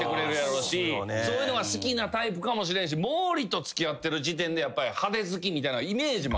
そういうのが好きなタイプかもしれんし毛利と付き合ってる時点で派手好きみたいなイメージもある。